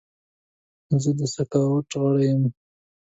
زه د سکاوټ غړی یم.